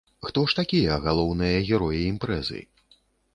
Хто ж такія галоўныя героі імпрэзы?